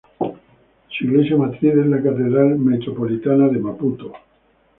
Su iglesia matriz es la Catedral Metropolitana de Maputo.